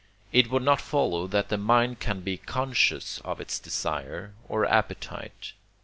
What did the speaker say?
it would not follow that the mind can be conscious of its desire or appetite.